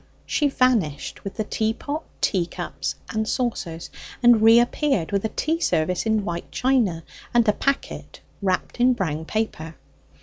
She vanished with the teapot, cups, and saucers, and reappeared with a tea service in white china, and a packet wrapped in brown paper.